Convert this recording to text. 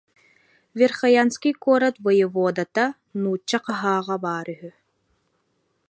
Верхоянскай куорат воеводата, нуучча хаһааҕа баара үһү